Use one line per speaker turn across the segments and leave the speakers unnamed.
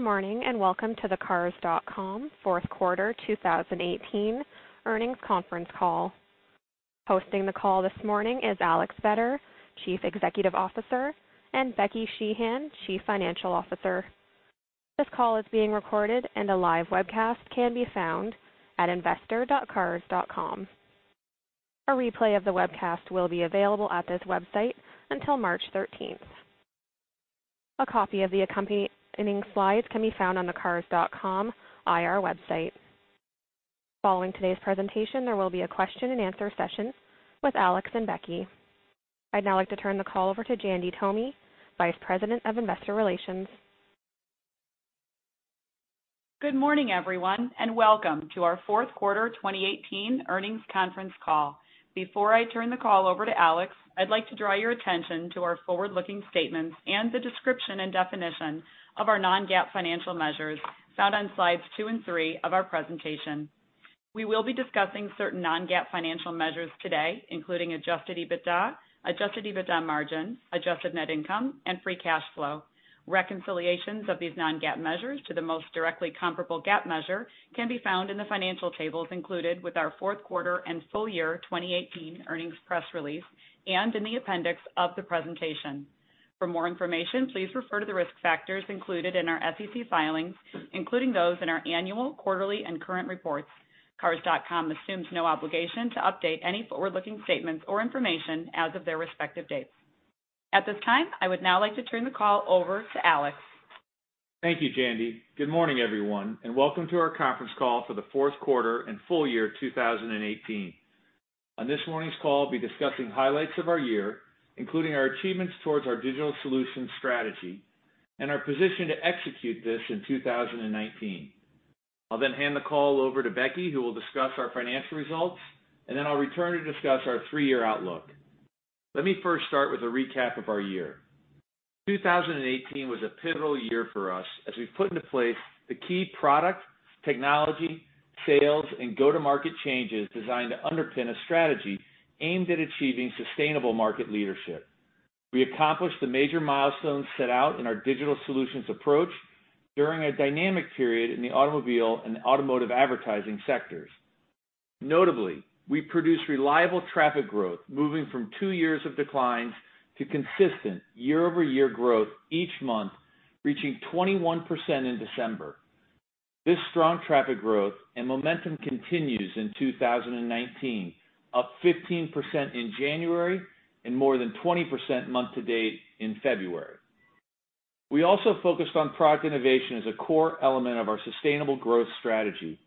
Good morning, and welcome to the Cars.com fourth quarter 2018 earnings conference call. Hosting the call this morning is Alex Vetter, Chief Executive Officer, and Becky Sheehan, Chief Financial Officer. This call is being recorded and a live webcast can be found at investor.cars.com. A replay of the webcast will be available at this website until March 13th. A copy of the accompanying slides can be found on the Cars.com IR website. Following today's presentation, there will be a question and answer session with Alex and Becky. I'd now like to turn the call over to Jandy Tomy, Vice President of Investor Relations.
Good morning, everyone, and welcome to our fourth quarter 2018 earnings conference call. Before I turn the call over to Alex, I'd like to draw your attention to our forward-looking statements and the description and definition of our non-GAAP financial measures found on slides two and three of our presentation. We will be discussing certain non-GAAP financial measures today, including adjusted EBITDA, adjusted EBITDA margin, adjusted net income, and free cash flow. Reconciliations of these non-GAAP measures to the most directly comparable GAAP measure can be found in the financial tables included with our fourth quarter and Full Year 2018 earnings press release and in the appendix of the presentation. For more information, please refer to the risk factors included in our SEC filings, including those in our annual, quarterly, and current reports. Cars.com assumes no obligation to update any forward-looking statements or information as of their respective dates. At this time, I would now like to turn the call over to Alex.
Thank you, Jandy. Good morning, everyone, and welcome to our conference call for the fourth quarter and Full Year 2018. On this morning's call, I'll be discussing highlights of our year, including our achievements towards our digital solutions strategy and our position to execute this in 2019. I'll then hand the call over to Becky, who will discuss our financial results, and then I'll return to discuss our three-year outlook. Let me first start with a recap of our year. 2018 was a pivotal year for us as we put into place the key product, technology, sales, and go-to-market changes designed to underpin a strategy aimed at achieving sustainable market leadership. We accomplished the major milestones set out in our digital solutions approach during a dynamic period in the automobile and automotive advertising sectors. Notably, we produced reliable traffic growth, moving from two years of declines to consistent year-over-year growth each month, reaching 21% in December. This strong traffic growth and momentum continues in 2019, up 15% in January and more than 20% month-to-date in February. We also focused on product innovation as a core element of our sustainable growth strategy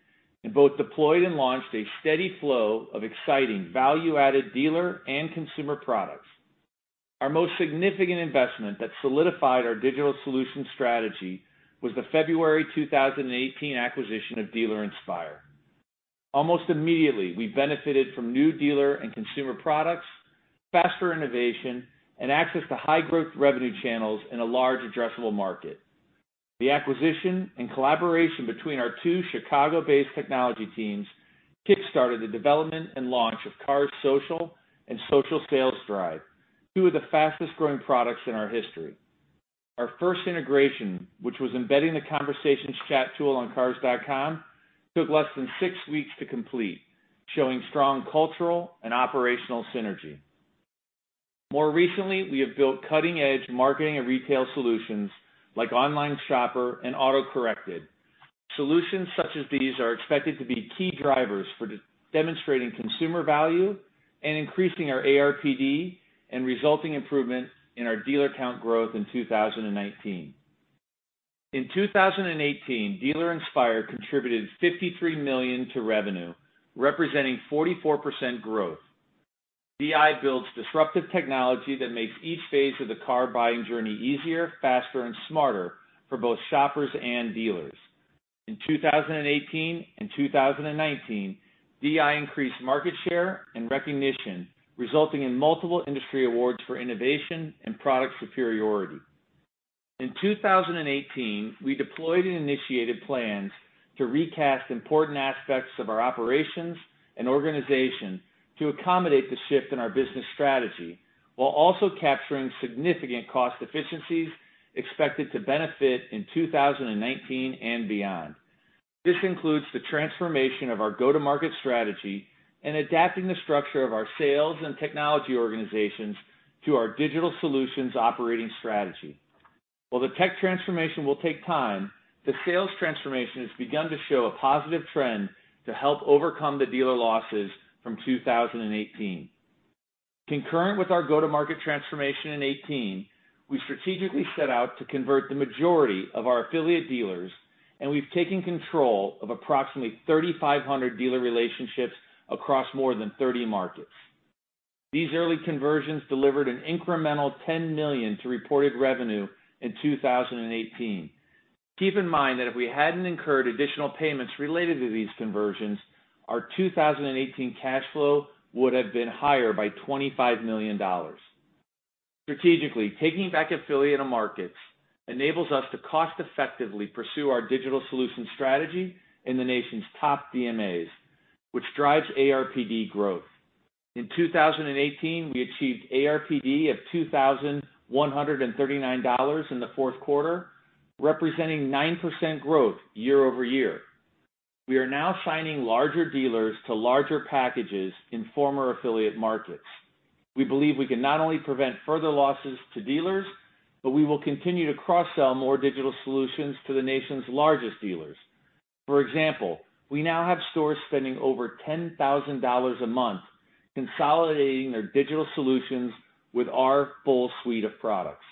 and both deployed and launched a steady flow of exciting value-added dealer and consumer products. Our most significant investment that solidified our digital solution strategy was the February 2018 acquisition of Dealer Inspire. Almost immediately, we benefited from new dealer and consumer products, faster innovation, and access to high-growth revenue channels in a large addressable market. The acquisition and collaboration between our two Chicago-based technology teams kickstarted the development and launch of Cars Social and Social Sales Drive, two of the fastest-growing products in our history. Our first integration, which was embedding the Conversations chat tool on Cars.com, took less than six weeks to complete, showing strong cultural and operational synergy. More recently, we have built cutting-edge marketing and retail solutions like Online Shopper and Auto Corrected. Solutions such as these are expected to be key drivers for demonstrating consumer value and increasing our ARPD and resulting improvement in our dealer count growth in 2019. In 2018, Dealer Inspire contributed $53 million to revenue, representing 44% growth. DI builds disruptive technology that makes each phase of the car buying journey easier, faster, and smarter for both shoppers and dealers. In 2018 and 2019, DI increased market share and recognition, resulting in multiple industry awards for innovation and product superiority. In 2018, we deployed and initiated plans to recast important aspects of our operations and organization to accommodate the shift in our business strategy, while also capturing significant cost efficiencies expected to benefit in 2019 and beyond. This includes the transformation of our go-to-market strategy and adapting the structure of our sales and technology organizations to our digital solutions operating strategy. While the tech transformation will take time, the sales transformation has begun to show a positive trend to help overcome the dealer losses from 2018. Concurrent with our go-to-market transformation in 2018, we strategically set out to convert the majority of our affiliate dealers, and we've taken control of approximately 3,500 dealer relationships across more than 30 markets. These early conversions delivered an incremental $10 million to reported revenue in 2018. Keep in mind that if we hadn't incurred additional payments related to these conversions, our 2018 cash flow would have been higher by $25 million. Strategically, taking back affiliate markets enables us to cost effectively pursue our digital solution strategy in the nation's top DMAs, which drives ARPD growth. In 2018, we achieved ARPD of $2,139 in the fourth quarter, representing 9% growth year-over-year. We are now signing larger dealers to larger packages in former affiliate markets. We believe we can not only prevent further losses to dealers, but we will continue to cross-sell more digital solutions to the nation's largest dealers. For example, we now have stores spending over $10,000 a month consolidating their digital solutions with our full suite of products.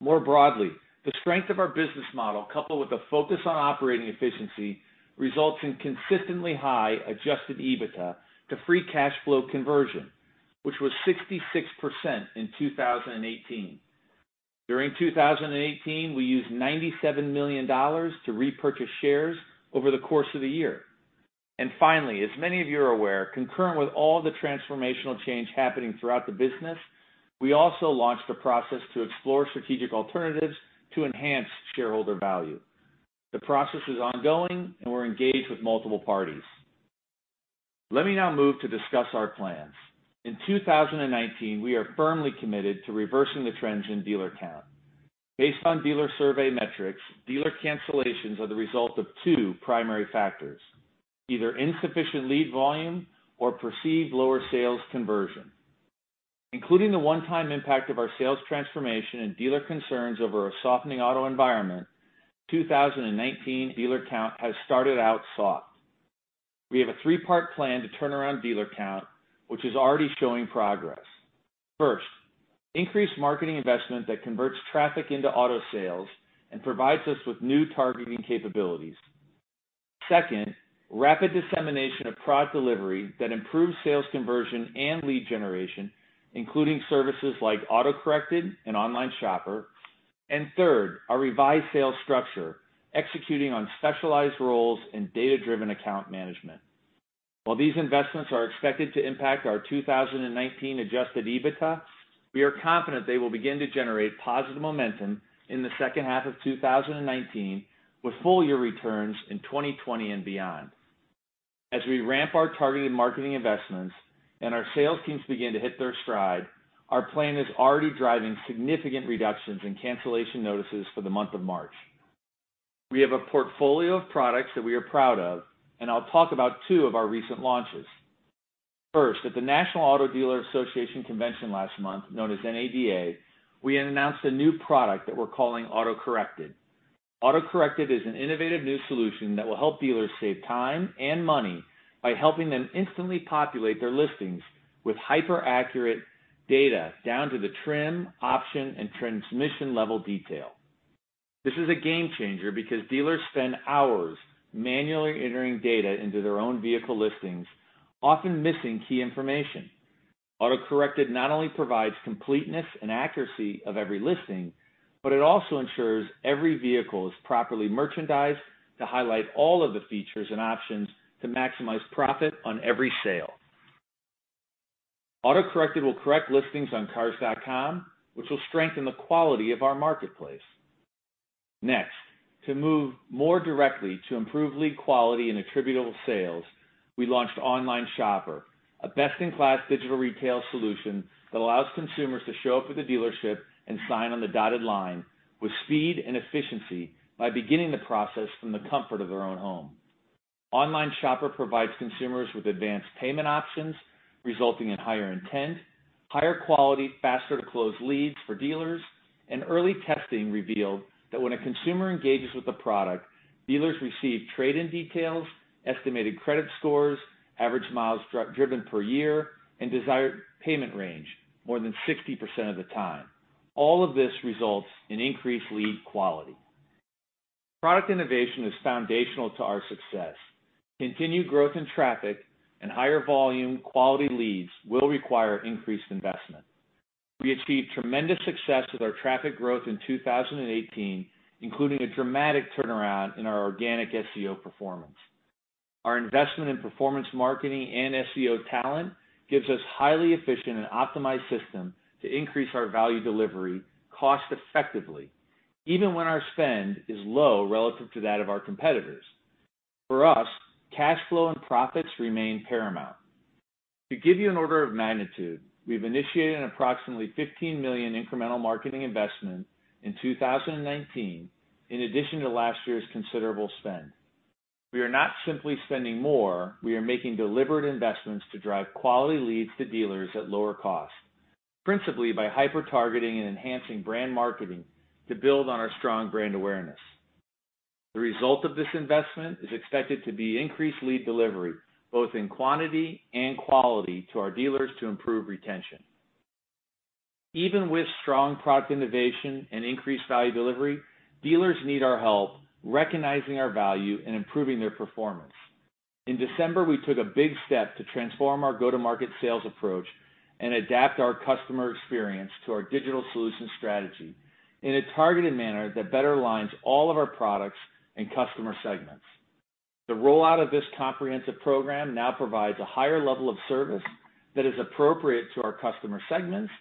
More broadly, the strength of our business model, coupled with the focus on operating efficiency, results in consistently high adjusted EBITDA to free cash flow conversion, which was 66% in 2018. During 2018, we used $97 million to repurchase shares over the course of the year. Finally, as many of you are aware, concurrent with all the transformational change happening throughout the business, we also launched the process to explore strategic alternatives to enhance shareholder value. The process is ongoing, and we're engaged with multiple parties. Let me now move to discuss our plans. In 2019, we are firmly committed to reversing the trends in dealer count. Based on dealer survey metrics, dealer cancellations are the result of two primary factors, either insufficient lead volume or perceived lower sales conversion. Including the one-time impact of our sales transformation and dealer concerns over a softening auto environment, 2019 dealer count has started out soft. We have a three-part plan to turn around dealer count, which is already showing progress. First, increased marketing investment that converts traffic into auto sales and provides us with new targeting capabilities. Second, rapid dissemination of product delivery that improves sales conversion and lead generation, including services like Auto Corrected and Online Shopper. Third, a revised sales structure executing on specialized roles and data-driven account management. While these investments are expected to impact our 2019 adjusted EBITDA, we are confident they will begin to generate positive momentum in the second half of 2019 with full-year returns in 2020 and beyond. As we ramp our targeted marketing investments and our sales teams begin to hit their stride, our plan is already driving significant reductions in cancellation notices for the month of March. We have a portfolio of products that we are proud of, and I'll talk about two of our recent launches. First, at the National Automobile Dealers Association convention last month, known as NADA, we announced a new product that we're calling Auto Corrected. Auto Corrected is an innovative new solution that will help dealers save time and money by helping them instantly populate their listings with hyper-accurate data down to the trim, option, and transmission level detail. This is a game changer because dealers spend hours manually entering data into their own vehicle listings, often missing key information. Auto Corrected not only provides completeness and accuracy of every listing, but it also ensures every vehicle is properly merchandised to highlight all of the features and options to maximize profit on every sale. Auto Corrected will correct listings on Cars.com, which will strengthen the quality of our marketplace. Next, to move more directly to improve lead quality and attributable sales, we launched Online Shopper, a best-in-class digital retail solution that allows consumers to show up at the dealership and sign on the dotted line with speed and efficiency by beginning the process from the comfort of their own home. Online Shopper provides consumers with advanced payment options, resulting in higher intent, higher quality, faster to close leads for dealers. Early testing revealed that when a consumer engages with the product, dealers receive trade-in details, estimated credit scores, average miles driven per year, and desired payment range more than 60% of the time. All of this results in increased lead quality. Product innovation is foundational to our success. Continued growth in traffic and higher volume quality leads will require increased investment. We achieved tremendous success with our traffic growth in 2018, including a dramatic turnaround in our organic SEO performance. Our investment in performance marketing and SEO talent gives us highly efficient and optimized system to increase our value delivery cost effectively, even when our spend is low relative to that of our competitors. For us, cash flow and profits remain paramount. To give you an order of magnitude, we've initiated an approximately $15 million incremental marketing investment in 2019, in addition to last year's considerable spend. We are not simply spending more, we are making deliberate investments to drive quality leads to dealers at lower cost, principally by hyper targeting and enhancing brand marketing to build on our strong brand awareness. The result of this investment is expected to be increased lead delivery, both in quantity and quality to our dealers to improve retention. Even with strong product innovation and increased value delivery, dealers need our help recognizing our value and improving their performance. In December, we took a big step to transform our go-to-market sales approach and adapt our customer experience to our digital solution strategy in a targeted manner that better aligns all of our products and customer segments. The rollout of this comprehensive program now provides a higher level of service that is appropriate to our customer segments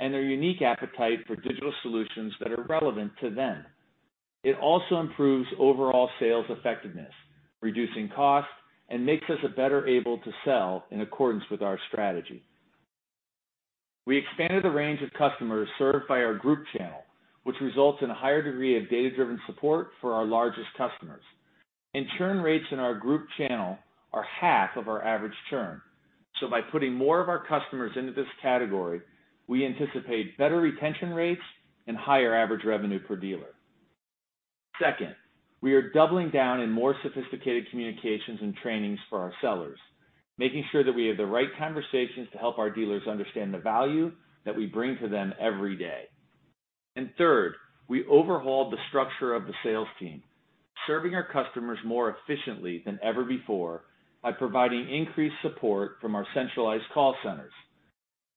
and their unique appetite for digital solutions that are relevant to them. It also improves overall sales effectiveness, reducing costs, and makes us better able to sell in accordance with our strategy. We expanded the range of customers served by our group channel, which results in a higher degree of data-driven support for our largest customers. Churn rates in our group channel are half of our average churn. By putting more of our customers into this category, we anticipate better retention rates and higher average revenue per dealer. Second, we are doubling down in more sophisticated communications and trainings for our sellers, making sure that we have the right conversations to help our dealers understand the value that we bring to them every day. Third, we overhauled the structure of the sales team, serving our customers more efficiently than ever before by providing increased support from our centralized call centers.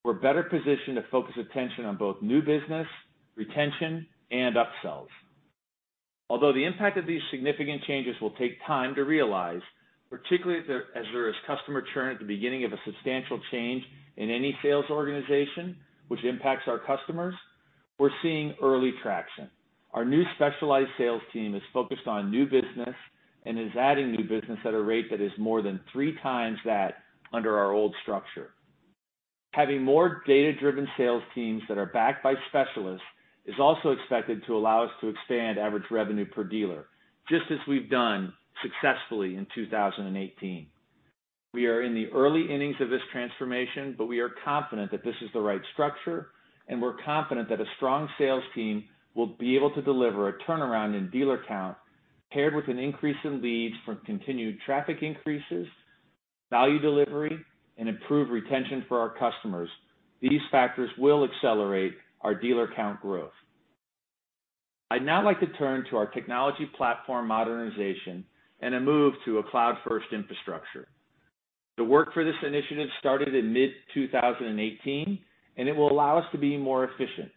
We're better positioned to focus attention on both new business, retention, and upsells. Although the impact of these significant changes will take time to realize, particularly as there is customer churn at the beginning of a substantial change in any sales organization, which impacts our customers, we're seeing early traction. Our new specialized sales team is focused on new business and is adding new business at a rate that is more than 3x that under our old structure. Having more data-driven sales teams that are backed by specialists is also expected to allow us to expand average revenue per dealer, just as we've done successfully in 2018. We are in the early innings of this transformation. We are confident that this is the right structure. We're confident that a strong sales team will be able to deliver a turnaround in dealer count, paired with an increase in leads from continued traffic increases, value delivery, and improved retention for our customers. These factors will accelerate our dealer count growth. I'd now like to turn to our technology platform modernization and a move to a cloud-first infrastructure. The work for this initiative started in mid-2018. It will allow us to be more efficient,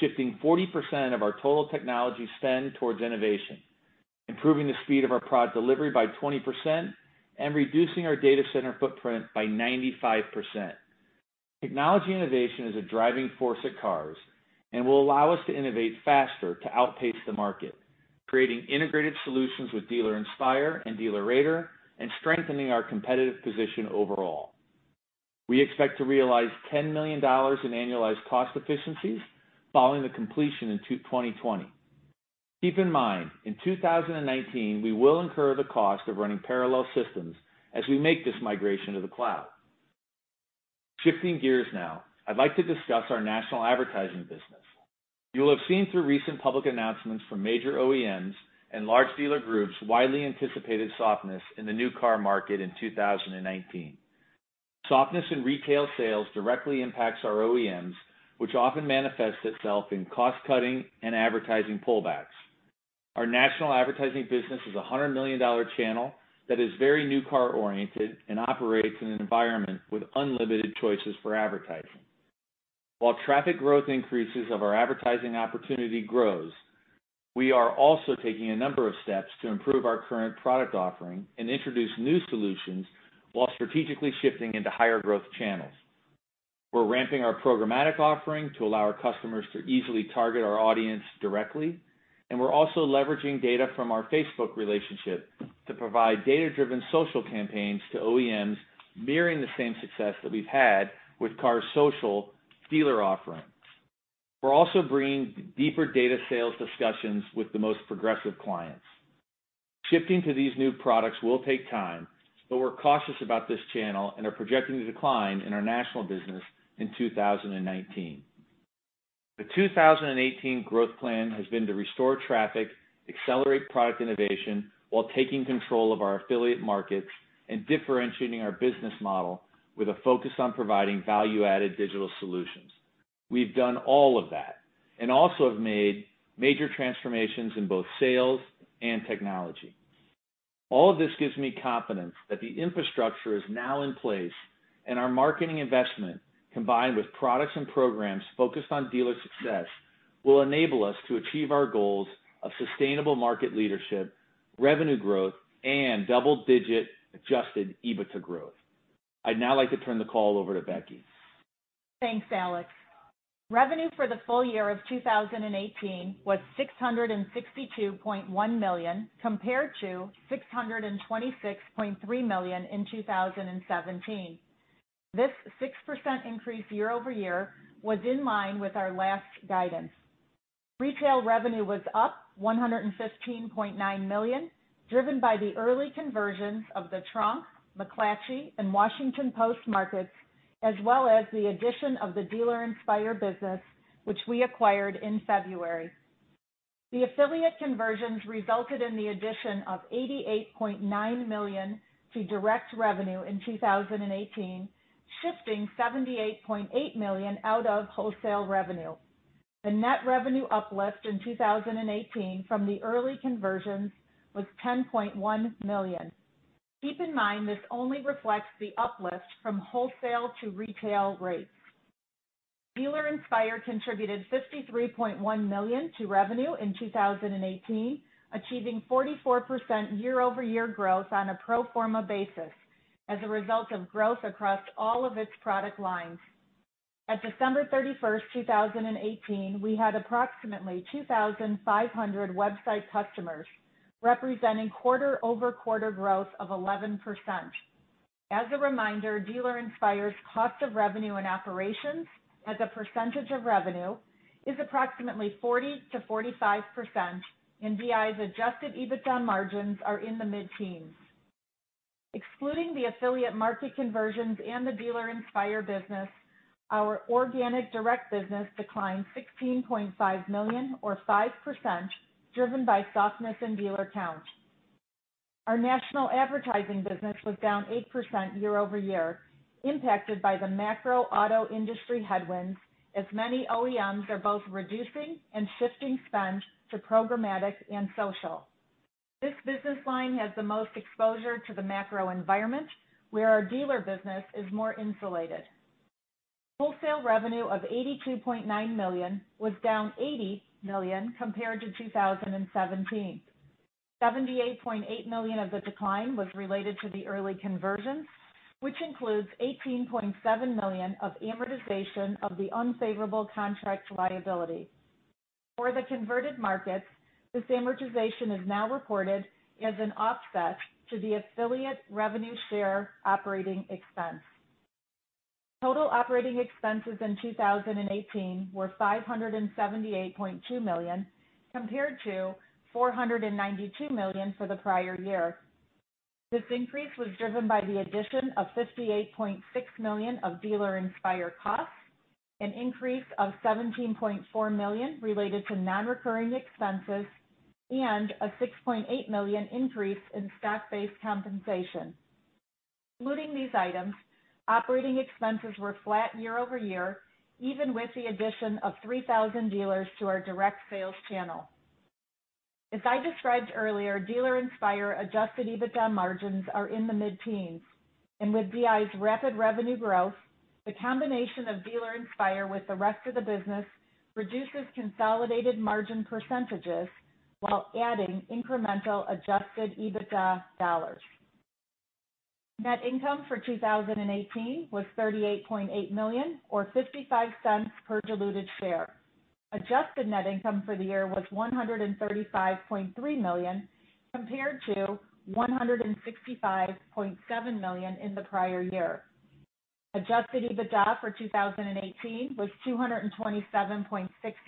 shifting 40% of our total technology spend towards innovation, improving the speed of our product delivery by 20%, and reducing our data center footprint by 95%. Technology innovation is a driving force at Cars and will allow us to innovate faster to outpace the market, creating integrated solutions with Dealer Inspire and DealerRater and strengthening our competitive position overall. We expect to realize $10 million in annualized cost efficiencies following the completion in 2020. Keep in mind, in 2019, we will incur the cost of running parallel systems as we make this migration to the cloud. Shifting gears now, I'd like to discuss our national advertising business. You'll have seen through recent public announcements from major OEMs and large dealer groups widely anticipated softness in the new car market in 2019. Softness in retail sales directly impacts our OEMs, which often manifests itself in cost-cutting and advertising pullbacks. Our national advertising business is a $100 million channel that is very new car oriented and operates in an environment with unlimited choices for advertising. While traffic growth increases of our advertising opportunity grows, we are also taking a number of steps to improve our current product offering and introduce new solutions while strategically shifting into higher growth channels. We're ramping our programmatic offering to allow our customers to easily target our audience directly. We're also leveraging data from our Facebook relationship to provide data-driven social campaigns to OEMs, mirroring the same success that we've had with Cars Social dealer offerings. We're also bringing deeper data sales discussions with the most progressive clients. Shifting to these new products will take time. We're cautious about this channel and are projecting a decline in our national business in 2019. The 2018 growth plan has been to restore traffic, accelerate product innovation while taking control of our affiliate markets and differentiating our business model with a focus on providing value-added digital solutions. We've done all of that. Also have made major transformations in both sales and technology. All of this gives me confidence that the infrastructure is now in place. Our marketing investment, combined with products and programs focused on dealer success, will enable us to achieve our goals of sustainable market leadership, revenue growth, and double-digit adjusted EBITDA growth. I'd now like to turn the call over to Becky.
Thanks, Alex. Revenue for the full year of 2018 was $662.1 million, compared to $626.3 million in 2017. This 6% increase year-over-year was in line with our last guidance. Retail revenue was up $115.9 million, driven by the early conversions of the tronc, McClatchy, and The Washington Post markets, as well as the addition of the Dealer Inspire business, which we acquired in February. The affiliate conversions resulted in the addition of $88.9 million to direct revenue in 2018, shifting $78.8 million out of wholesale revenue. The net revenue uplift in 2018 from the early conversions was $10.1 million. Keep in mind, this only reflects the uplift from wholesale to retail rates. Dealer Inspire contributed $53.1 million to revenue in 2018, achieving 44% year-over-year growth on a pro forma basis as a result of growth across all of its product lines. At 31st December 2018, we had approximately 2,500 website customers, representing quarter-over-quarter growth of 11%. As a reminder, Dealer Inspire's cost of revenue and operations as a percentage of revenue is approximately 40%-45%, and DI's adjusted EBITDA margins are in the mid-teens. Excluding the affiliate market conversions and the Dealer Inspire business, our organic direct business declined $16.5 million or 5%, driven by softness in dealer count. Our national advertising business was down 8% year-over-year, impacted by the macro auto industry headwinds, as many OEMs are both reducing and shifting spend to programmatic and social. This business line has the most exposure to the macro environment, where our dealer business is more insulated. Wholesale revenue of $82.9 million was down $80 million compared to 2017. $78.8 million of the decline was related to the early conversions, which includes $18.7 million of amortization of the unfavorable contract liability. For the converted markets, this amortization is now reported as an offset to the affiliate revenue share operating expense. Total operating expenses in 2018 were $578.2 million, compared to $492 million for the prior year. This increase was driven by the addition of $58.6 million of Dealer Inspire costs, an increase of $17.4 million related to non-recurring expenses, and a $6.8 million increase in stock-based compensation. Excluding these items, operating expenses were flat year-over-year, even with the addition of 3,000 dealers to our direct sales channel. As I described earlier, Dealer Inspire adjusted EBITDA margins are in the mid-teens, and with DI's rapid revenue growth, the combination of Dealer Inspire with the rest of the business reduces consolidated margin percentages while adding incremental adjusted EBITDA dollars. Net income for 2018 was $38.8 million, or $0.55 per diluted share. Adjusted net income for the year was $135.3 million, compared to $165.7 million in the prior year. Adjusted EBITDA for 2018 was $227.6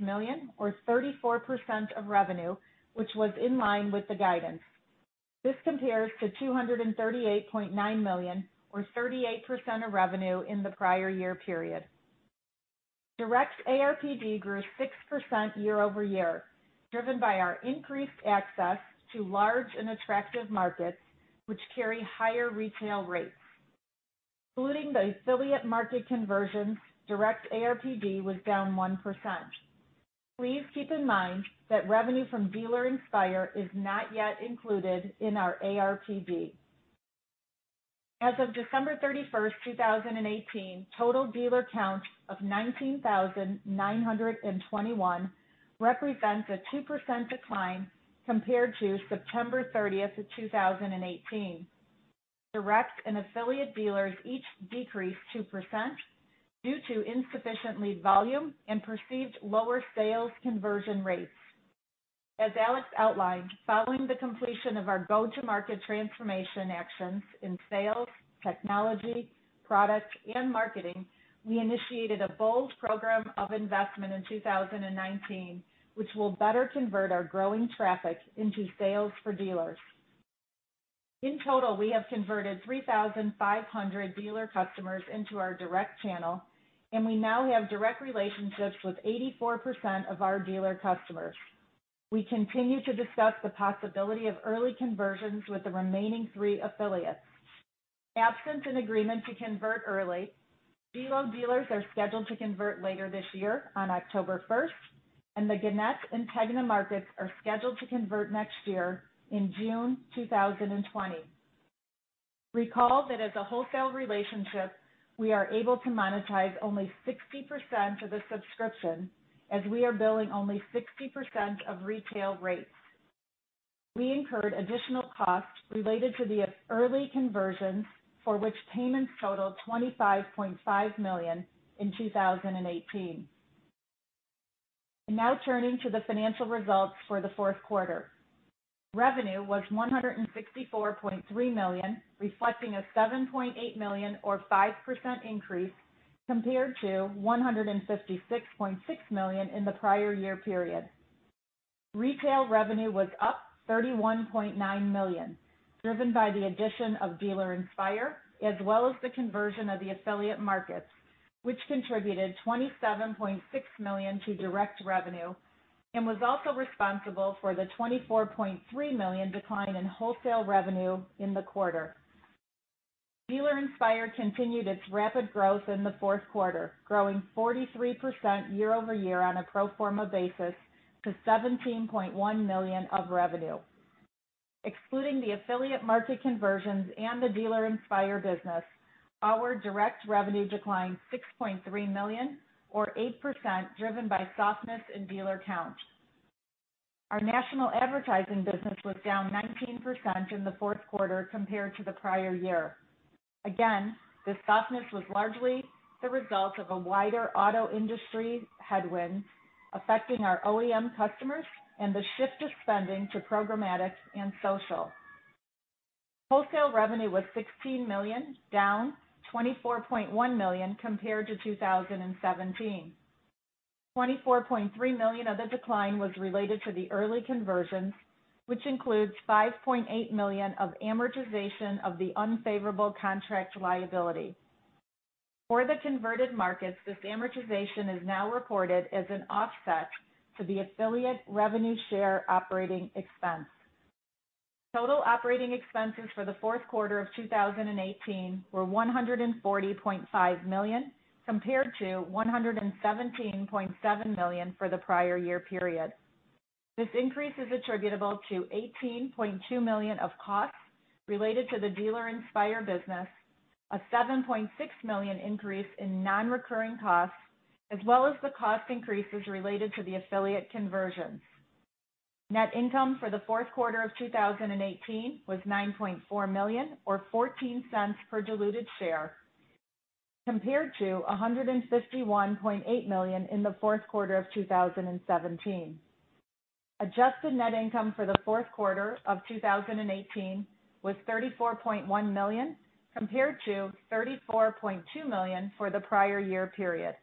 million, or 34% of revenue, which was in line with the guidance. This compares to $238.9 million, or 38% of revenue in the prior year period. Direct ARPD grew 6% year-over-year, driven by our increased access to large and attractive markets, which carry higher retail rates. Excluding the affiliate market conversions, direct ARPD was down 1%. Please keep in mind that revenue from Dealer Inspire is not yet included in our ARPD. As of 31st December 2018, total dealer count of 19,921 represents a 2% decline compared to 30th September 2018. Direct and affiliate dealers each decreased 2% due to insufficient lead volume and perceived lower sales conversion rates. As Alex outlined, following the completion of our go-to-market transformation actions in sales, technology, product, and marketing, we initiated a bold program of investment in 2019, which will better convert our growing traffic into sales for dealers. In total, we have converted 3,500 dealer customers into our direct channel, and we now have direct relationships with 84% of our dealer customers. We continue to discuss the possibility of early conversions with the remaining three affiliates. Absent an agreement to convert early, VLO dealers are scheduled to convert later this year on October 1st, and the Gannett and Tegna markets are scheduled to convert next year in June 2020. Recall that as a wholesale relationship, we are able to monetize only 60% of the subscription as we are billing only 60% of retail rates. We incurred additional costs related to the early conversions, for which payments totaled $25.5 million in 2018. Turning to the financial results for the fourth quarter. Revenue was $164.3 million, reflecting a $7.8 million or 5% increase compared to $156.6 million in the prior year period. Retail revenue was up $31.9 million, driven by the addition of Dealer Inspire, as well as the conversion of the affiliate markets, which contributed $27.6 million to direct revenue and was also responsible for the $24.3 million decline in wholesale revenue in the quarter. Dealer Inspire continued its rapid growth in the fourth quarter, growing 43% year-over-year on a pro forma basis to $17.1 million of revenue. Excluding the affiliate market conversions and the Dealer Inspire business, our direct revenue declined $6.3 million or 8%, driven by softness in dealer count. Our national advertising business was down 19% in the fourth quarter compared to the prior year. This softness was largely the result of a wider auto industry headwind affecting our OEM customers and the shift of spending to programmatic and social. Wholesale revenue was $16 million, down $24.1 million compared to 2017. $24.3 million of the decline was related to the early conversions, which includes $5.8 million of amortization of the unfavorable contract liability. For the converted markets, this amortization is now reported as an offset to the affiliate revenue share operating expense. Total operating expenses for the fourth quarter of 2018 were $140.5 million, compared to $117.7 million for the prior year period. This increase is attributable to $18.2 million of costs related to the Dealer Inspire business, a $7.6 million increase in non-recurring costs, as well as the cost increases related to the affiliate conversions. Net income for the fourth quarter of 2018 was $9.4 million, or $0.14 per diluted share, compared to $151.8 million in the fourth quarter of 2017. Adjusted net income for the fourth quarter of 2018 was $34.1 million compared to $34.2 million for the prior year period.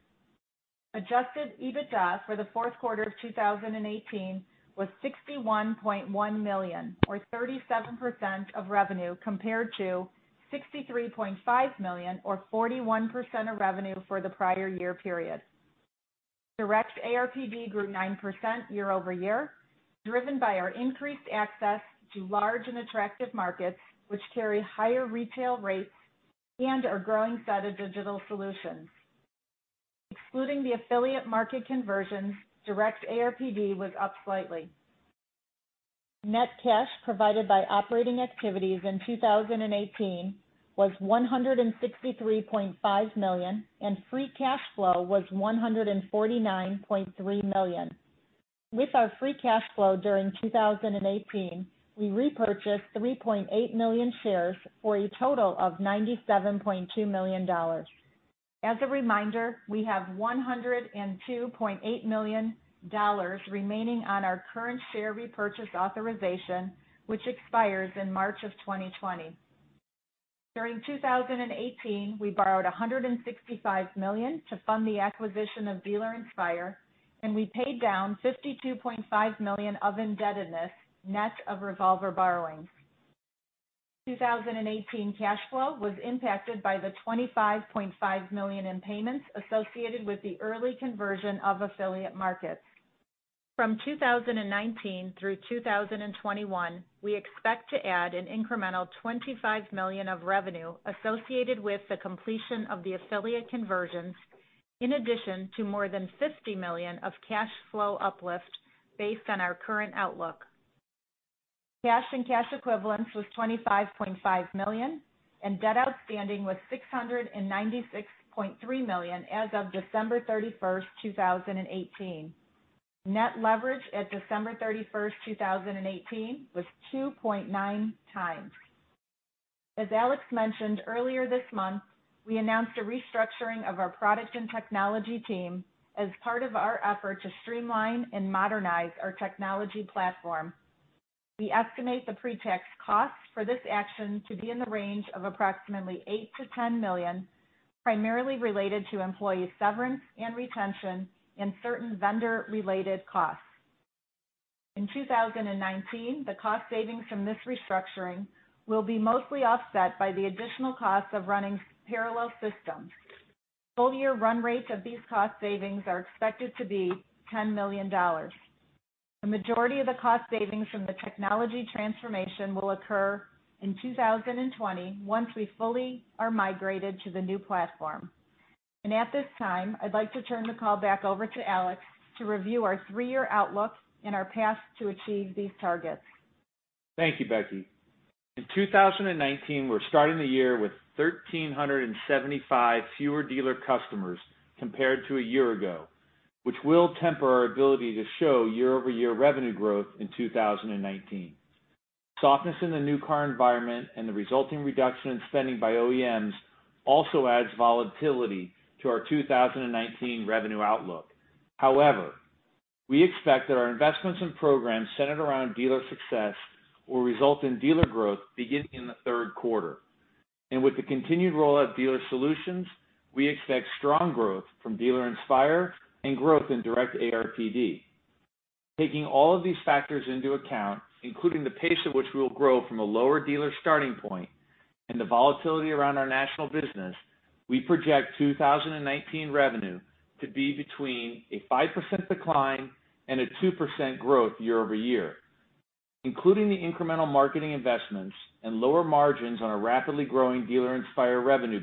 Adjusted EBITDA for the fourth quarter of 2018 was $61.1 million, or 37% of revenue, compared to $63.5 million, or 41% of revenue for the prior year period. Direct ARPD grew 9% year-over-year, driven by our increased access to large and attractive markets, which carry higher retail rates and our growing set of digital solutions. Excluding the affiliate market conversions, direct ARPD was up slightly. Net cash provided by operating activities in 2018 was $163.5 million, and free cash flow was $149.3 million. With our free cash flow during 2018, we repurchased 3.8 million shares for a total of $97.2 million. As a reminder, we have $102.8 million remaining on our current share repurchase authorization, which expires in March of 2020. During 2018, we borrowed $165 million to fund the acquisition of Dealer Inspire, we paid down $52.5 million of indebtedness, net of revolver borrowings. 2018 cash flow was impacted by the $25.5 million in payments associated with the early conversion of affiliate markets. From 2019 through 2021, we expect to add an incremental $25 million of revenue associated with the completion of the affiliate conversions, in addition to more than $50 million of cash flow uplift based on our current outlook. Cash and cash equivalents was $25.5 million, and debt outstanding was $696.3 million as of 31st December 2018. Net leverage at 31st December 2018, was 2.9x. As Alex mentioned earlier this month, we announced a restructuring of our product and technology team as part of our effort to streamline and modernize our technology platform. We estimate the pre-tax costs for this action to be in the range of approximately $8 million-$10 million, primarily related to employee severance and retention and certain vendor-related costs. In 2019, the cost savings from this restructuring will be mostly offset by the additional costs of running parallel systems. Full year run rates of these cost savings are expected to be $10 million. The majority of the cost savings from the technology transformation will occur in 2020 once we fully are migrated to the new platform. At this time, I'd like to turn the call back over to Alex to review our three-year outlook and our path to achieve these targets.
Thank you, Becky. In 2019, we're starting the year with 1,375 fewer dealer customers compared to a year ago, which will temper our ability to show year-over-year revenue growth in 2019. Softness in the new car environment and the resulting reduction in spending by OEMs also adds volatility to our 2019 revenue outlook. However, we expect that our investments and programs centered around dealer success will result in dealer growth beginning in the third quarter. With the continued roll-out of Dealer Solutions, we expect strong growth from Dealer Inspire and growth in direct ARPD. Taking all of these factors into account, including the pace at which we will grow from a lower dealer starting point and the volatility around our national business, we project 2019 revenue to be between a 5% decline and a 2% growth year-over-year. Including the incremental marketing investments and lower margins on a rapidly growing Dealer Inspire revenue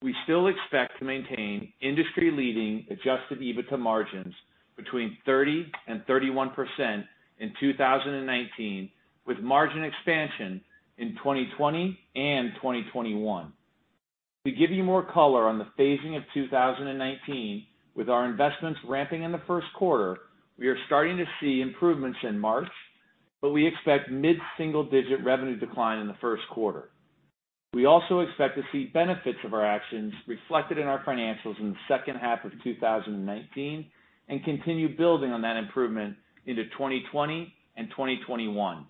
base, we still expect to maintain industry-leading adjusted EBITDA margins between 30%-31% in 2019, with margin expansion in 2020 and 2021. To give you more color on the phasing of 2019, with our investments ramping in the first quarter, we are starting to see improvements in March, but we expect mid-single-digit revenue decline in the first quarter. We also expect to see benefits of our actions reflected in our financials in the second half of 2019, and continue building on that improvement into 2020 and 2021.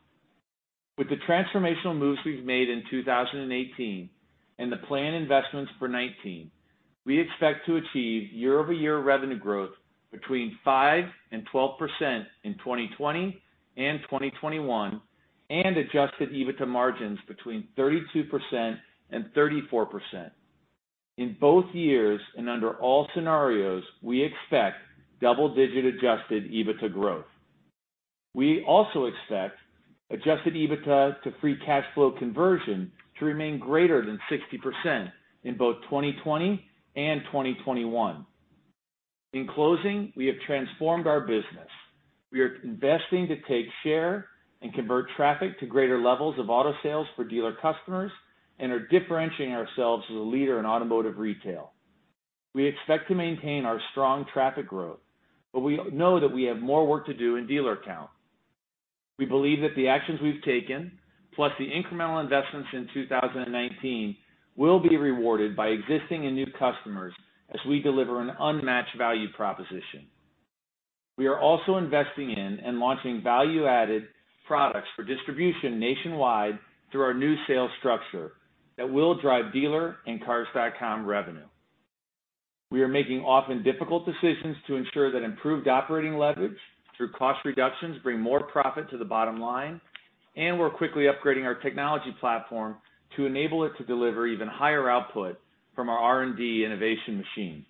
With the transformational moves we've made in 2018 and the planned investments for 2019, we expect to achieve year-over-year revenue growth between 5%-12% in 2020 and 2021, and adjusted EBITDA margins between 32%-34%. In both years and under all scenarios, we expect double-digit adjusted EBITDA growth. We also expect adjusted EBITDA to free cash flow conversion to remain greater than 60% in both 2020 and 2021. In closing, we have transformed our business. We are investing to take share and convert traffic to greater levels of auto sales for dealer customers and are differentiating ourselves as a leader in automotive retail. We expect to maintain our strong traffic growth, but we know that we have more work to do in dealer count. We believe that the actions we've taken, plus the incremental investments in 2019, will be rewarded by existing and new customers as we deliver an unmatched value proposition. We are also investing in and launching value-added products for distribution nationwide through our new sales structure that will drive dealer and Cars.com revenue. We are making often difficult decisions to ensure that improved operating leverage through cost reductions bring more profit to the bottom line. We're quickly upgrading our technology platform to enable it to deliver even higher output from our R&D innovation machine.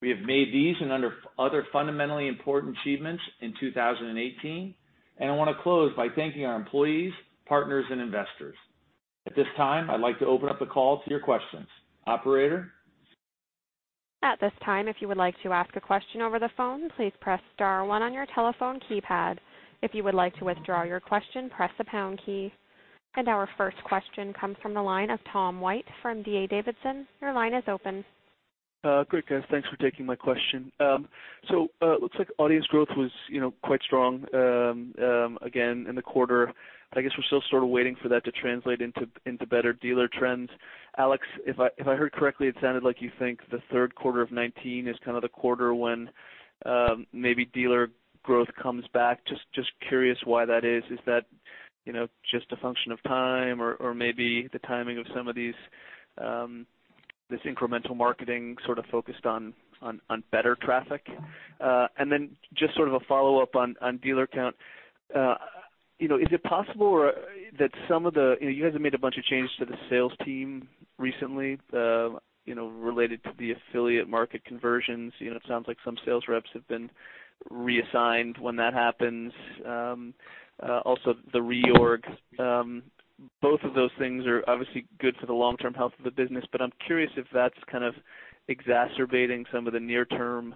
We have made these and other fundamentally important achievements in 2018. I want to close by thanking our employees, partners, and investors. At this time, I'd like to open up the call to your questions. Operator?
At this time, if you would like to ask a question over the phone, please press star one on your telephone keypad. If you would like to withdraw your question, press the pound key. Our first question comes from the line of Tom White from D.A. Davidson. Your line is open.
Looks like audience growth was quite strong again in the quarter. I guess we're still sort of waiting for that to translate into better dealer trends. Alex, if I heard correctly, it sounded like you think the third quarter of 2019 is kind of the quarter when maybe dealer growth comes back. Just curious why that is. Is that just a function of time or maybe the timing of some of this incremental marketing sort of focused on better traffic? Then just sort of a follow-up on dealer count. You guys have made a bunch of changes to the sales team recently related to the affiliate market conversions. It sounds like some sales reps have been reassigned when that happens. Also, the reorg. Both of those things are obviously good for the long-term health of the business, I'm curious if that's kind of exacerbating some of the near-term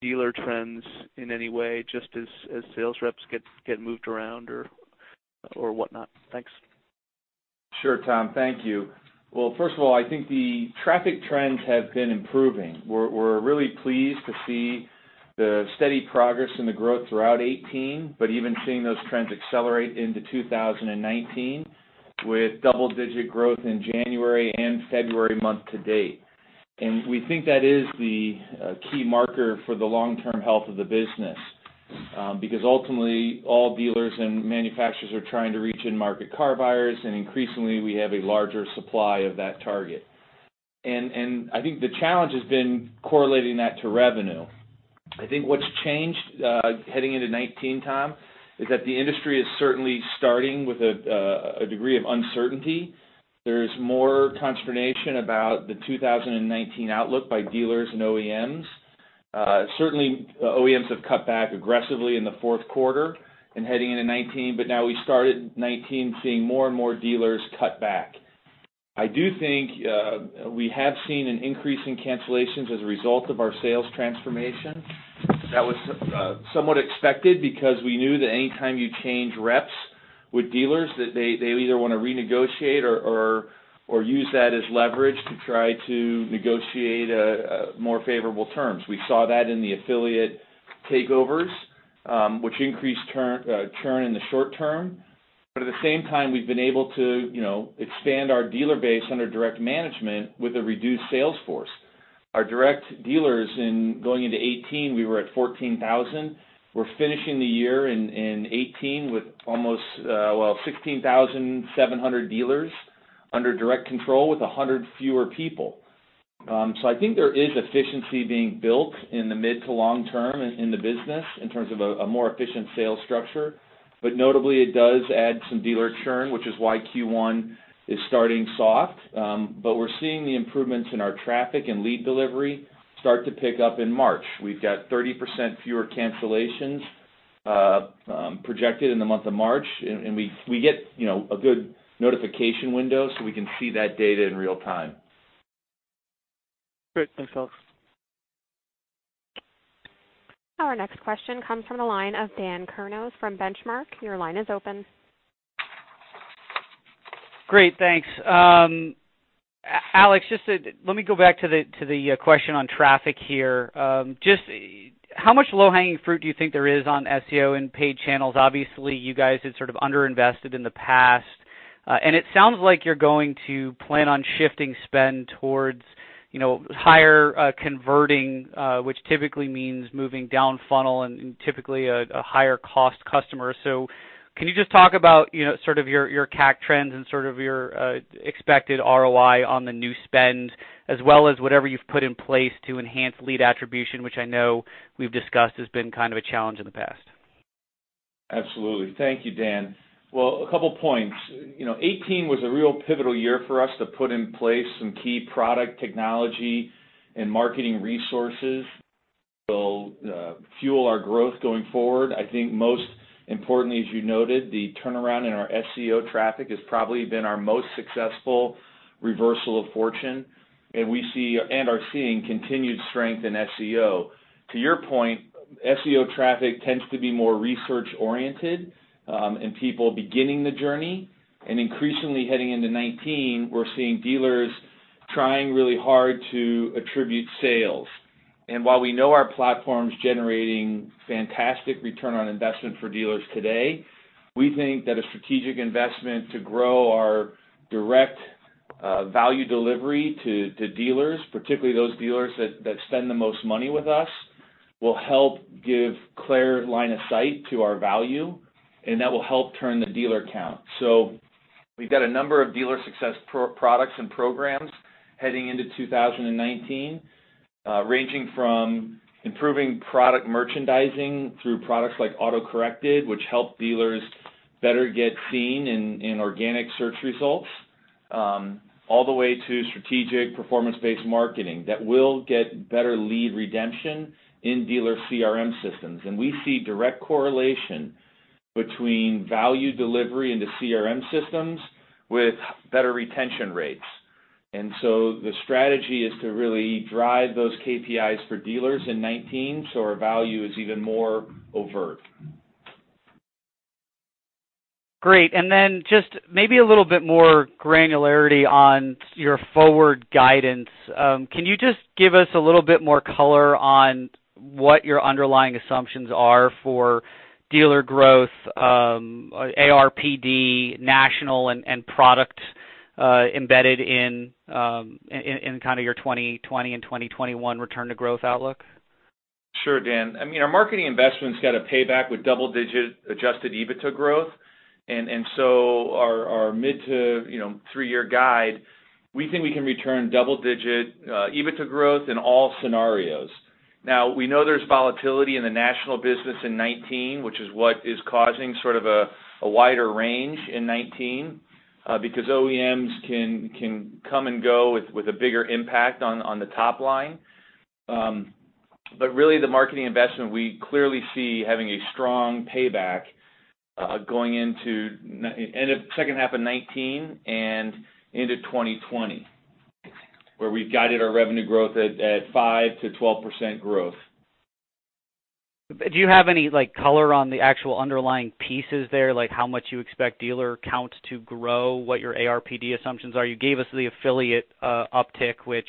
dealer trends in any way, just as sales reps get moved around or whatnot. Thanks.
Sure, Tom. Thank you. First of all, I think the traffic trends have been improving. We're really pleased to see the steady progress and the growth throughout 2018, even seeing those trends accelerate into 2019 with double-digit growth in January and February month to date. We think that is the key marker for the long-term health of the business because ultimately, all dealers and manufacturers are trying to reach end market car buyers, increasingly, we have a larger supply of that target. I think the challenge has been correlating that to revenue. I think what's changed heading into 2019, Tom, is that the industry is certainly starting with a degree of uncertainty. There's more consternation about the 2019 outlook by dealers and OEMs. Certainly, OEMs have cut back aggressively in the fourth quarter and heading into 2019, now we started 2019 seeing more and more dealers cut back. I do think we have seen an increase in cancellations as a result of our sales transformation. That was somewhat expected because we knew that anytime you change reps with dealers, that they either want to renegotiate or use that as leverage to try to negotiate more favorable terms. We saw that in the affiliate takeovers, which increased churn in the short term. At the same time, we've been able to expand our dealer base under direct management with a reduced sales force. Our direct dealers going into 2018, we were at 14,000. We're finishing the year in 2018 with almost 16,700 dealers under direct control with 100 fewer people. I think there is efficiency being built in the mid to long term in the business in terms of a more efficient sales structure. Notably, it does add some dealer churn, which is why Q1 is starting soft. We're seeing the improvements in our traffic and lead delivery start to pick up in March. We've got 30% fewer cancellations projected in the month of March, and we get a good notification window, so we can see that data in real time.
Great. Thanks, Alex.
Our next question comes from the line of Dan Kurnos from Benchmark. Your line is open.
Great, thanks. Alex, let me go back to the question on traffic here. How much low-hanging fruit do you think there is on SEO and paid channels? Obviously, you guys had sort of under-invested in the past. It sounds like you're going to plan on shifting spend towards higher converting, which typically means moving down funnel and typically a higher cost customer. Can you just talk about your CAC trends and your expected ROI on the new spend, as well as whatever you've put in place to enhance lead attribution, which I know we've discussed has been kind of a challenge in the past.
Absolutely. Thank you, Dan. Well, a couple points. 2018 was a real pivotal year for us to put in place some key product technology and marketing resources that will fuel our growth going forward. I think most importantly, as you noted, the turnaround in our SEO traffic has probably been our most successful reversal of fortune, and we see and are seeing continued strength in SEO. To your point, SEO traffic tends to be more research-oriented, and people beginning the journey. Increasingly heading into 2019, we're seeing dealers trying really hard to attribute sales. While we know our platform's generating fantastic return on investment for dealers today, we think that a strategic investment to grow our direct value delivery to dealers, particularly those dealers that spend the most money with us, will help give clear line of sight to our value, and that will help turn the dealer count. We've got a number of dealer success products and programs heading into 2019, ranging from improving product merchandising through products like Auto Corrected, which help dealers better get seen in organic search results, all the way to strategic performance-based marketing that will get better lead redemption in dealer CRM systems. We see direct correlation between value delivery into CRM systems with better retention rates. The strategy is to really drive those KPIs for dealers in 2019 so our value is even more overt.
Great. Just maybe a little bit more granularity on your forward guidance. Can you just give us a little bit more color on what your underlying assumptions are for dealer growth, ARPD, national and product embedded in your 2020 and 2021 return to growth outlook?
Sure, Dan. Our marketing investment's got to pay back with double-digit adjusted EBITDA growth. Our mid to three-year guide, we think we can return double-digit EBITDA growth in all scenarios. Now, we know there's volatility in the national business in 2019, which is what is causing sort of a wider range in 2019 because OEMs can come and go with a bigger impact on the top line. Really the marketing investment we clearly see having a strong payback going into end of second half of 2019 and into 2020, where we've guided our revenue growth at 5% to 12% growth.
Do you have any color on the actual underlying pieces there, like how much you expect dealer count to grow, what your ARPD assumptions are? You gave us the affiliate uptick, which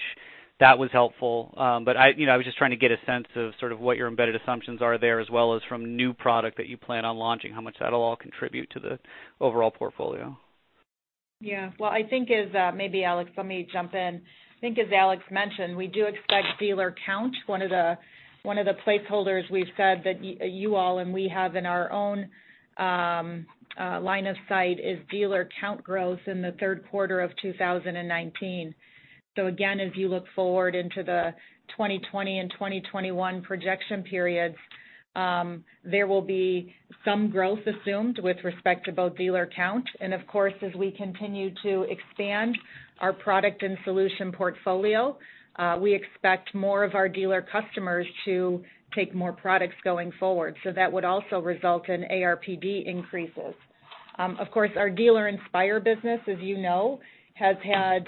that was helpful. I was just trying to get a sense of sort of what your embedded assumptions are there, as well as from new product that you plan on launching, how much that'll all contribute to the overall portfolio.
Yeah. Well, I think Alex, let me jump in. I think as Alex mentioned, we do expect dealer count. One of the placeholders we've said that you all and we have in our own line of sight is dealer count growth in the third quarter of 2019. Again, as you look forward into the 2020 and 2021 projection periods, there will be some growth assumed with respect to both dealer count. Of course, as we continue to expand our product and solution portfolio, we expect more of our dealer customers to take more products going forward. That would also result in ARPD increases. Of course, our Dealer Inspire business, as you know, has had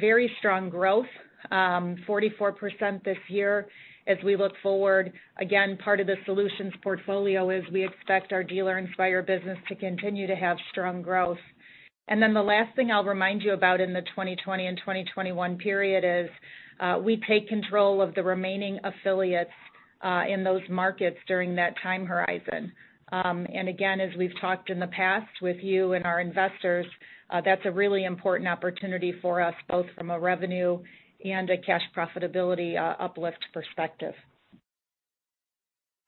very strong growth, 44% this year. As we look forward, again, part of the solutions portfolio is we expect our Dealer Inspire business to continue to have strong growth. The last thing I'll remind you about in the 2020 and 2021 period is we take control of the remaining affiliates in those markets during that time horizon. Again, as we've talked in the past with you and our investors, that's a really important opportunity for us, both from a revenue and a cash profitability uplift perspective.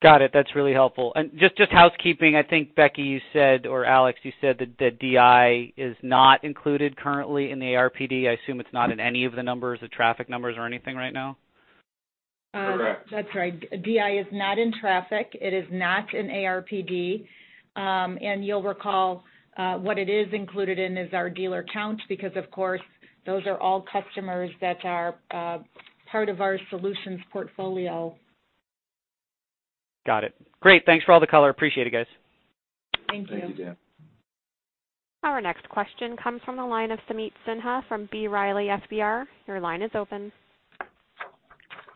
Got it. That's really helpful. Just housekeeping, I think, Becky, you said, or Alex, you said that DI is not included currently in the ARPD. I assume it's not in any of the numbers, the traffic numbers or anything right now?
Correct.
That's right. DI is not in traffic. It is not in ARPD. You'll recall, what it is included in is our dealer count because of course, those are all customers that are part of our solutions portfolio.
Got it. Great. Thanks for all the color. Appreciate it, guys.
Thank you.
Thank you, Dan
Our next question comes from the line of Sameet Sinha from B. Riley FBR. Your line is open.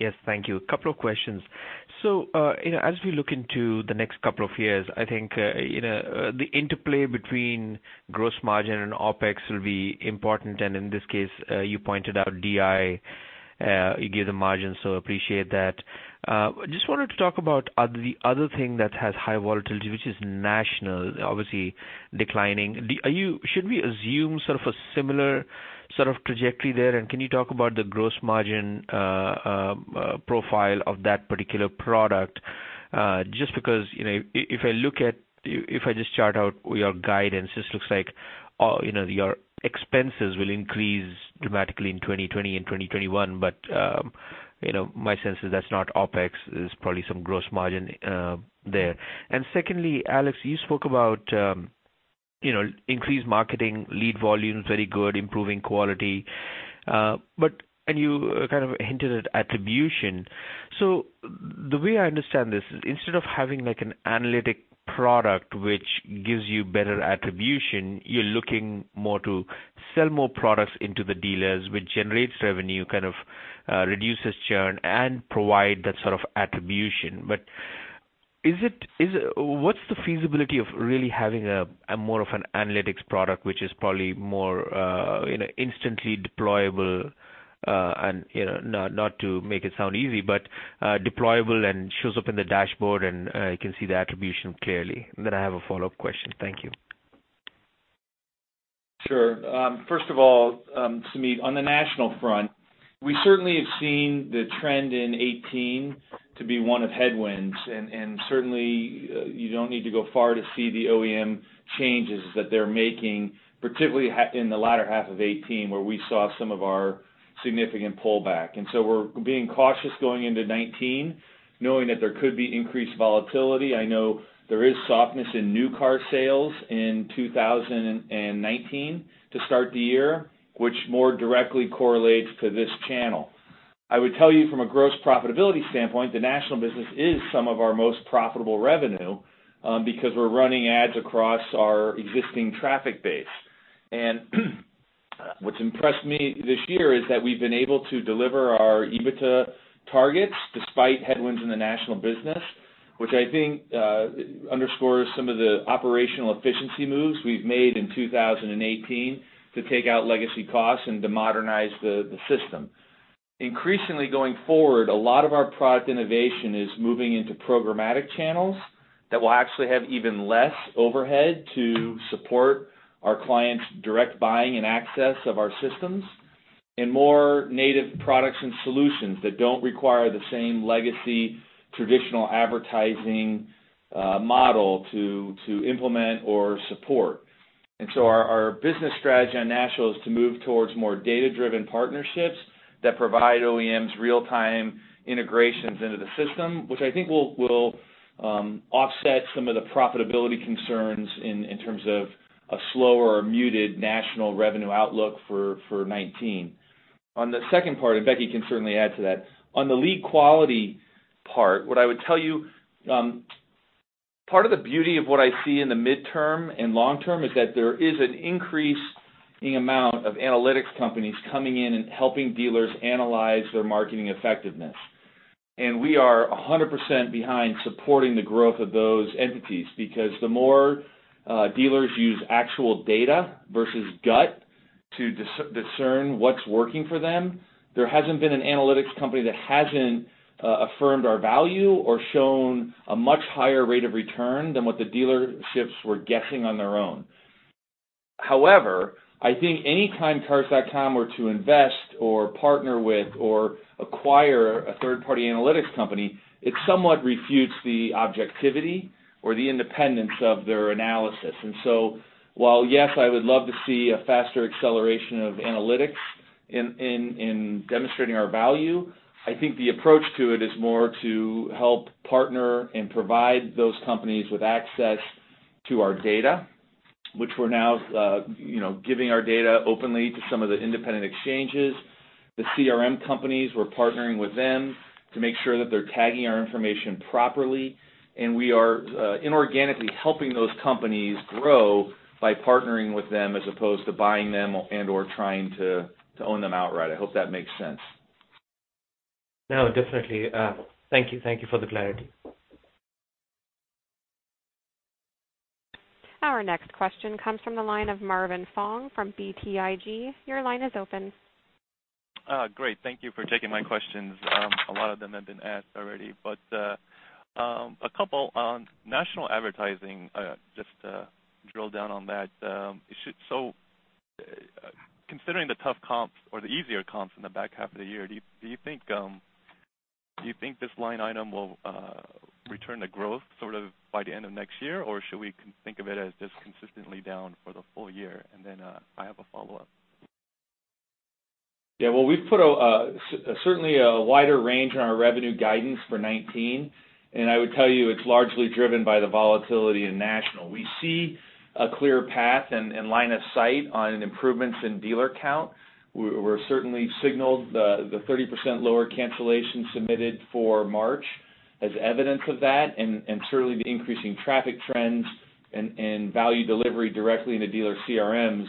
Yes, thank you. Couple of questions. As we look into the next couple of years, I think the interplay between gross margin and OpEx will be important, and in this case, you pointed out DI, you gave the margin, so appreciate that. Just wanted to talk about the other thing that has high volatility, which is National, obviously declining. Should we assume sort of a similar sort of trajectory there, and can you talk about the gross margin profile of that particular product? Just because if I just chart out your guidance, this looks like your expenses will increase dramatically in 2020 and 2021, but my sense is that's not OpEx. There's probably some gross margin there. Secondly, Alex, you spoke about increased marketing lead volumes, very good, improving quality. You kind of hinted at attribution. The way I understand this is, instead of having an analytic product which gives you better attribution, you're looking more to sell more products into the dealers, which generates revenue, kind of reduces churn, and provide that sort of attribution. What's the feasibility of really having more of an analytics product, which is probably more instantly deployable, and not to make it sound easy, but deployable and shows up in the dashboard and you can see the attribution clearly. I have a follow-up question. Thank you.
Sure. First of all, Sameet, on the National front, we certainly have seen the trend in 2018 to be one of headwinds, and certainly, you don't need to go far to see the OEM changes that they're making, particularly in the latter half of 2018, where we saw some of our significant pullback. We're being cautious going into 2019, knowing that there could be increased volatility. I know there is softness in new car sales in 2019 to start the year, which more directly correlates to this channel. I would tell you from a gross profitability standpoint, the National business is some of our most profitable revenue because we're running ads across our existing traffic base. What's impressed me this year is that we've been able to deliver our EBITDA targets despite headwinds in the National business, which I think underscores some of the operational efficiency moves we've made in 2018 to take out legacy costs and to modernize the system. Increasingly going forward, a lot of our product innovation is moving into programmatic channels that will actually have even less overhead to support our clients' direct buying and access of our systems, and more native products and solutions that don't require the same legacy traditional advertising model to implement or support. Our business strategy on National is to move towards more data-driven partnerships that provide OEMs real-time integrations into the system, which I think will offset some of the profitability concerns in terms of a slower or muted National revenue outlook for 2019. On the second part, and Becky can certainly add to that. On the lead quality part, what I would tell you, part of the beauty of what I see in the midterm and long term is that there is an increasing amount of analytics companies coming in and helping dealers analyze their marketing effectiveness. We are 100% behind supporting the growth of those entities because the more dealers use actual data versus gut to discern what's working for them, there hasn't been an analytics company that hasn't affirmed our value or shown a much higher rate of return than what the dealerships were guessing on their own. However, I think any time Cars.com were to invest or partner with or acquire a third-party analytics company, it somewhat refutes the objectivity or the independence of their analysis. While yes, I would love to see a faster acceleration of analytics in demonstrating our value, I think the approach to it is more to help partner and provide those companies with access to our data, which we're now giving our data openly to some of the independent exchanges. The CRM companies, we're partnering with them to make sure that they're tagging our information properly, and we are inorganically helping those companies grow by partnering with them as opposed to buying them and/or trying to own them outright. I hope that makes sense.
No, definitely. Thank you. Thank you for the clarity.
Our next question comes from the line of Marvin Fong from BTIG. Your line is open.
Great. Thank you for taking my questions. A lot of them have been asked already, but a couple on National advertising, just to drill down on that. Considering the tough comps or the easier comps in the back half of the year, do you think this line item will return to growth sort of by the end of next year, or should we think of it as just consistently down for the full year? Then, I have a follow-up.
Well, we've put certainly a wider range on our revenue guidance for 2019. I would tell you it's largely driven by the volatility in National. We see a clear path and line of sight on improvements in dealer count. We're certainly signaled the 30% lower cancellation submitted for March as evidence of that, and certainly the increasing traffic trends and value delivery directly into dealer CRMs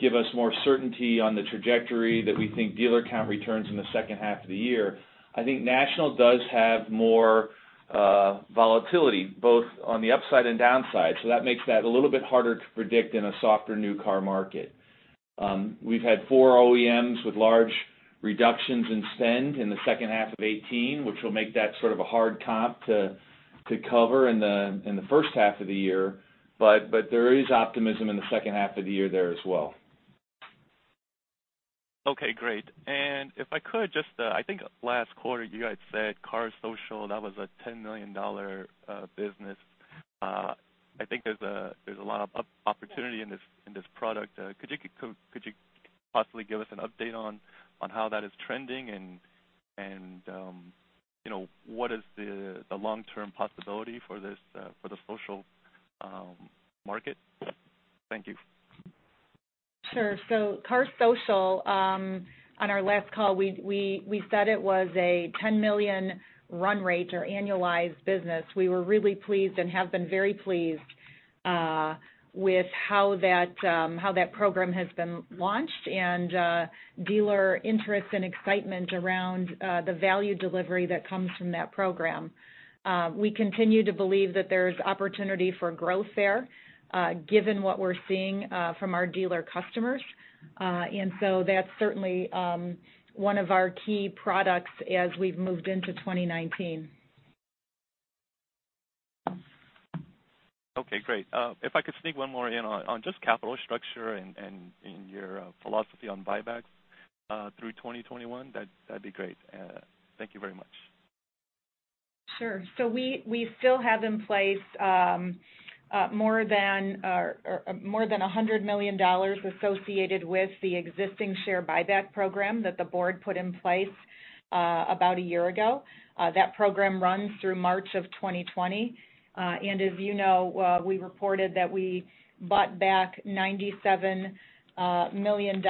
give us more certainty on the trajectory that we think dealer count returns in the second half of the year. I think National does have more volatility, both on the upside and downside, so that makes that a little bit harder to predict in a softer new car market. We've had four OEMs with large reductions in spend in the second half of 2018, which will make that sort of a hard comp to cover in the first half of the year. There is optimism in the second half of the year there as well.
Okay, great. If I could just, I think last quarter you guys said Cars Social, that was a $10 million business. I think there's a lot of opportunity in this product. Could you possibly give us an update on how that is trending and what is the long-term possibility for the social market? Thank you.
Sure. Cars Social, on our last call, we said it was a $10 million run rate or annualized business. We were really pleased and have been very pleased with how that program has been launched and dealer interest and excitement around the value delivery that comes from that program. We continue to believe that there's opportunity for growth there given what we're seeing from our dealer customers. That's certainly one of our key products as we've moved into 2019.
Okay, great. If I could sneak one more in on just capital structure and your philosophy on buybacks through 2021, that'd be great. Thank you very much.
Sure. We still have in place more than $100 million associated with the existing share buyback program that the board put in place about a year ago. That program runs through March of 2020. As you know, we reported that we bought back $97 million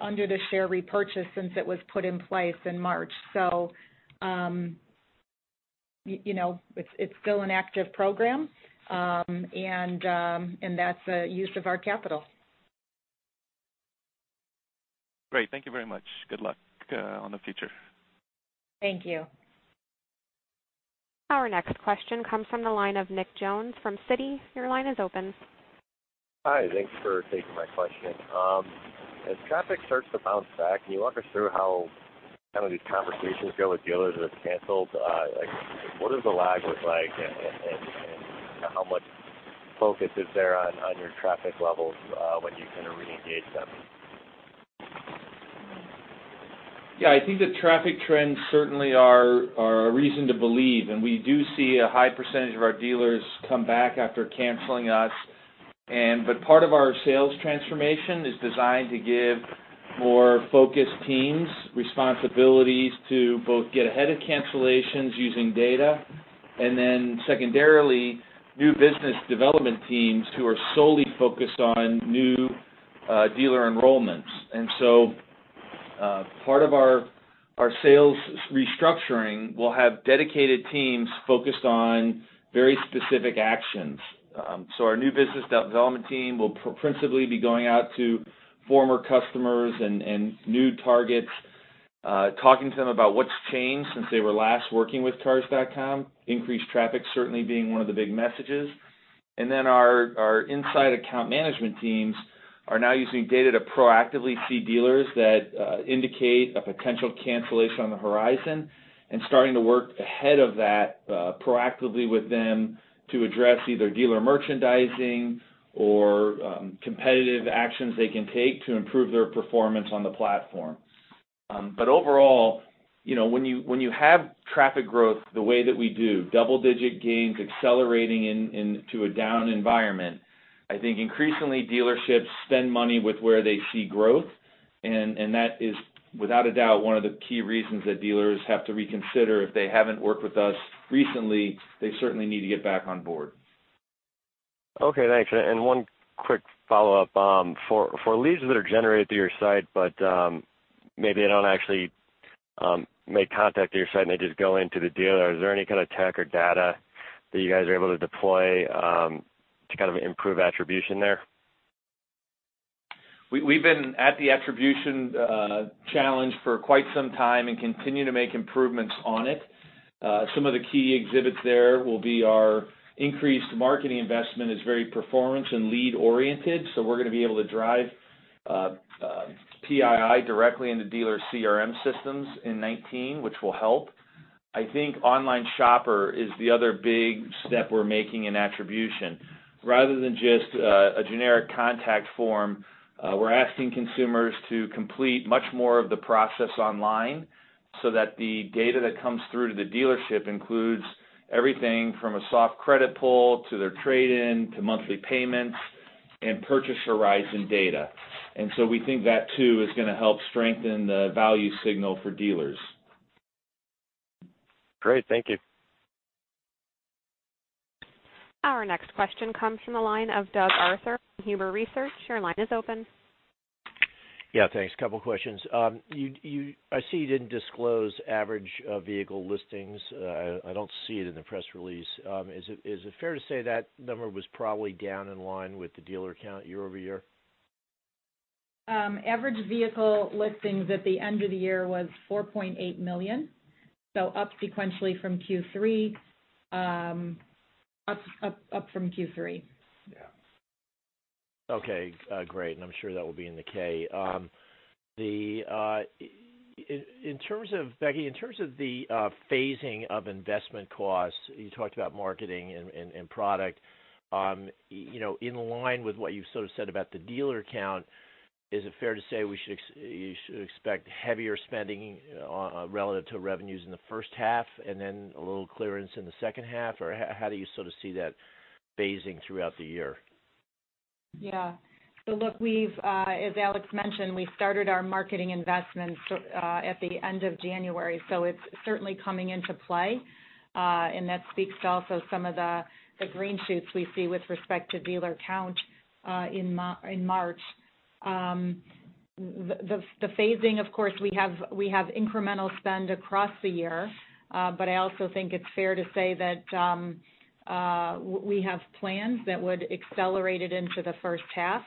under the share repurchase since it was put in place in March. It's still an active program, and that's a use of our capital.
Great. Thank you very much. Good luck on the future.
Thank you.
Our next question comes from the line of Nick Jones from Citi. Your line is open.
Hi. Thanks for taking my question. As traffic starts to bounce back, can you walk us through how these conversations go with dealers that have canceled? What does the lag look like and how much focus is there on your traffic levels when you kind of reengage them?
Yeah. I think the traffic trends certainly are a reason to believe. We do see a high percentage of our dealers come back after canceling us. Part of our sales transformation is designed to give more focused teams responsibilities to both get ahead of cancellations using data, and then secondarily, new business development teams who are solely focused on new dealer enrollments. Part of our sales restructuring will have dedicated teams focused on very specific actions. Our new business development team will principally be going out to former customers and new targets, talking to them about what's changed since they were last working with Cars.com. Increased traffic certainly being one of the big messages-
..and then..
Our inside account management teams are now using data to proactively see dealers that indicate a potential cancellation on the horizon and starting to work ahead of that proactively with them to address either dealer merchandising or competitive actions they can take to improve their performance on the platform. Overall, when you have traffic growth the way that we do, double-digit gains accelerating into a down environment, I think increasingly dealerships spend money with where they see growth. That is without a doubt one of the key reasons that dealers have to reconsider. If they haven't worked with us recently, they certainly need to get back on board.
One quick follow up,[ there is a generative side but they don't actually make contact,] they just go to the dealer, s there any kind of tech or data that you guys are able to deploy to kind of improve attribution there?
We've been at the attribution challenge for quite some time and continue to make improvements on it. Some of the key exhibits there will be our increased marketing investment is very performance and lead-oriented. We're going to be able to drive PII directly into dealer CRM systems in 2019, which will help. I think Online Shopper is the other big step we're making in attribution. Rather than just a generic contact form, we're asking consumers to complete much more of the process online so that the data that comes through to the dealership includes everything from a soft credit pull to their trade-in to monthly payments and purchase horizon data. We think that too is going to help strengthen the value signal for dealers.
Great. Thank you.
Our next question comes from the line of Doug Arthur from Huber Research Partners. Your line is open.
Yeah, thanks. Couple questions. I see you didn't disclose average vehicle listings. I don't see it in the press release. Is it fair to say that number was probably down in line with the dealer count year-over-year?
Average vehicle listings at the end of the year was 4.8 million. Up sequentially from Q3. Up from Q3.
Yeah. I'm sure that will be in the K. Becky, in terms of the phasing of investment costs, you talked about marketing and product. In line with what you sort of said about the dealer count, is it fair to say we should expect heavier spending relative to revenues in the first half and then a little clearance in the second half? How do you sort of see that phasing throughout the year?
Yeah. Look, as Alex mentioned, we started our marketing investments at the end of January, so it's certainly coming into play. That speaks to also some of the green shoots we see with respect to dealer count in March. The phasing, of course, we have incremental spend across the year. I also think it's fair to say that we have plans that would accelerate it into the first half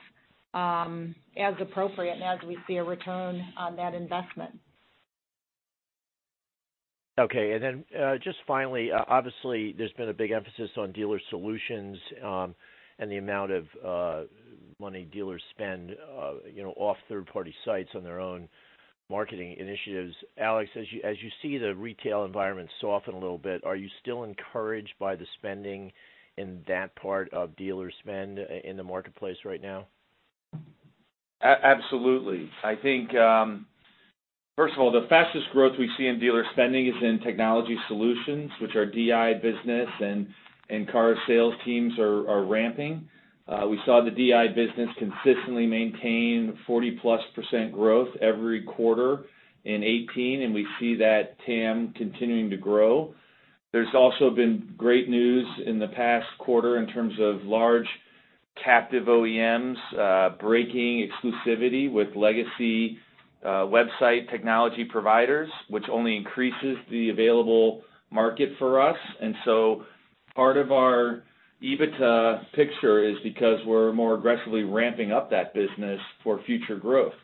as appropriate, and as we see a return on that investment.
Okay. Just finally, obviously, there's been a big emphasis on dealer solutions and the amount of money dealers spend off third party sites on their own marketing initiatives. Alex, as you see the retail environment soften a little bit, are you still encouraged by the spending in that part of dealer spend in the marketplace right now?
Absolutely. I think, first of all, the fastest growth we see in dealer spending is in technology solutions, which are DI business and car sales teams are ramping. We saw the DI business consistently maintain 40+% growth every quarter in 2018, and we see that TAM continuing to grow. There's also been great news in the past quarter in terms of large captive OEMs breaking exclusivity with legacy website technology providers, which only increases the available market for us. Part of our EBITDA picture is because we're more aggressively ramping up that business for future growth.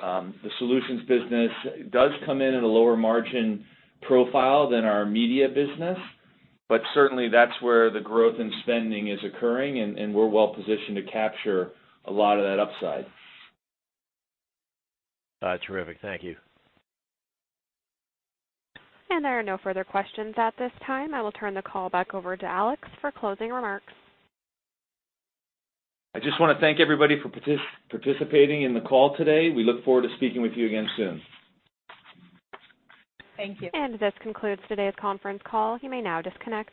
The solutions business does come in at a lower margin profile than our media business, but certainly, that's where the growth in spending is occurring, and we're well positioned to capture a lot of that upside.
Terrific. Thank you.
There are no further questions at this time. I will turn the call back over to Alex for closing remarks.
I just want to thank everybody for participating in the call today. We look forward to speaking with you again soon.
Thank you.
This concludes today's conference call. You may now disconnect.